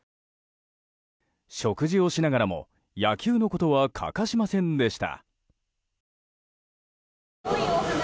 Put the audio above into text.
食事をしながらも野球のことは欠かしませんでした。